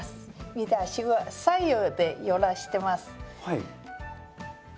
見て足は左右で揺らしてます。